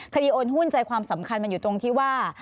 โอนหุ้นใจความสำคัญมันอยู่ตรงที่ว่า